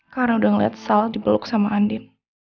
karena udah ngeliat sal dibeluk sama andin